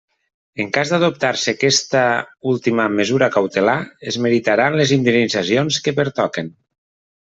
En cas d'adoptar-se aquesta última mesura cautelar, es meritaran les indemnitzacions que pertoquen.